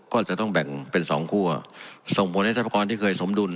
ก็จะต้องแบ่งเป็นสองคั่วส่งผลให้ทรัพกรที่เคยสมดุล